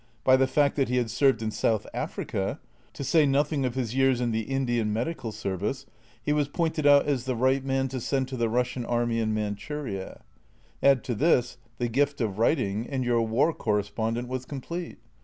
By the fact that he had served in South Africa, to say nothing of his years in the Indian Medical Service, he was pointed out as the right man to send to the Russian army in Manchuria ; add to this the gift of writing and your War Correspondent was complete.